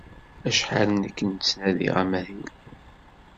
Acḥal nekk ttnadiɣ amahil.